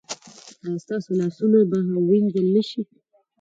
ایا ستاسو لاسونه به وینځل نه شي؟